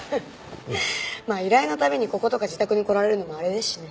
まあ依頼の度にこことか自宅に来られるのもあれですしね。